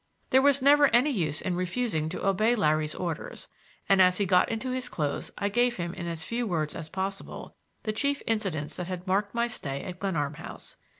There was never any use in refusing to obey Larry's orders, and as he got into his clothes I gave him in as few words as possible the chief incidents that had marked my stay at Glenarm House.